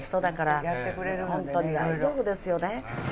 本当に大丈夫ですよね。